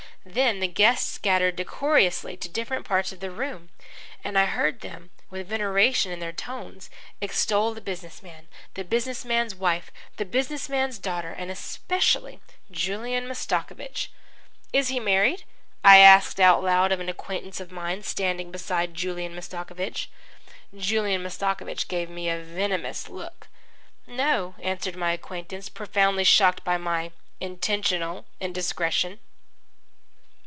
Then the guests scattered decorously to different parts of the room, and I heard them, with veneration in their tones, extol the business man, the business man's wife, the business man's daughter, and, especially, Julian Mastakovich. "Is he married?" I asked out loud of an acquaintance of mine standing beside Julian Mastakovich. Julian Mastakovich gave me a venomous look. "No," answered my acquaintance, profoundly shocked by my intentional indiscretion.